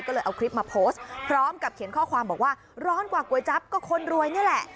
ก็เลยเอาคลิปมาโพสต์พร้อมกับเขียนข้อความบอกว่าร้อนกว่าก๋วยจั๊บก็คนรวยนี่แหละ